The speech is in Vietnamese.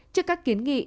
trước các kiến nghị